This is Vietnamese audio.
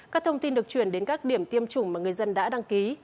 các thông tin được chuyển đến các điểm tiêm chủng mà người dân đã đăng ký